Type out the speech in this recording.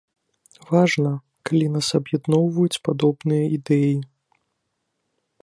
Важна, калі нас аб'ядноўваюць падобныя ідэі!